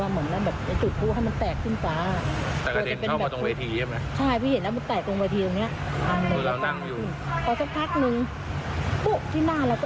แล้วก็หันไปมองอยู่ที่หัวลูก